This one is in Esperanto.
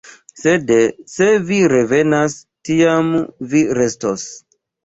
Sed se vi revenas, tiam vi restos.